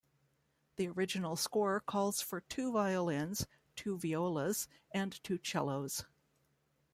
The original score calls for two violins, two violas and two cellos.